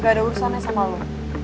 gak ada urusan nek sama lo